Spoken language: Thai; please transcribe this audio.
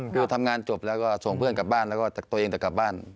คือทำงานจบแล้วก็ส่งเพื่อนกลับบ้านแล้วก็ตัวเองจะกลับบ้าน